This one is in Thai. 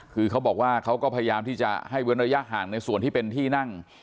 คือเขาบอกว่าเขาก็พยายามที่จะให้เว้นระยะห่างในส่วนที่เป็นที่นั่ง